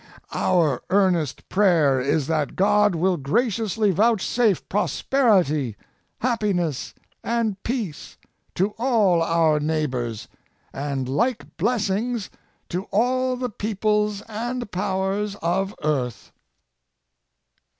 Our earnest prayer is that God will graciously vouchsafe prosperity, happiness, and peace to all our neighbors, and like blessings to all the peoples and powers of earth.